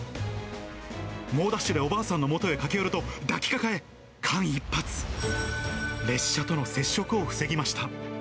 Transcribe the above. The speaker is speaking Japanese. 猛ダッシュでおばあさんのもとへ駆け寄ると、抱きかかえ、間一髪、列車との接触を防ぎました。